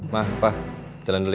nah papa jalan dulu ya